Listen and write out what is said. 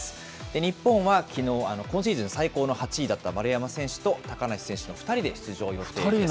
日本はきのう、今シーズン最高の８位だった丸山選手と高梨選手の２人で出場予定です。